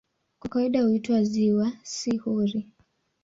Kwa kawaida huitwa "ziwa", si "hori".